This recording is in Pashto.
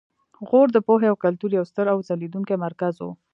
غور د پوهې او کلتور یو ستر او ځلیدونکی مرکز و